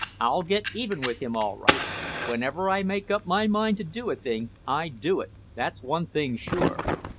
I'll get even with him all right. Whenever I make up my mind to do a thing I do it, that's one thing sure."